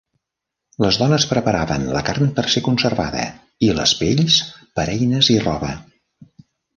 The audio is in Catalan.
Les dones preparaven la carn per ser conservada i les pells per eines i roba.